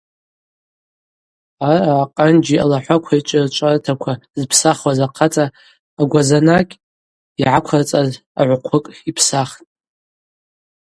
Араъа акъанджьи алахӏваквайчӏви рчӏвартаква зпсахуаз ахъацӏа агвазанакъ йгӏаквырцӏаз агӏвхъвыкӏ йпсахтӏ.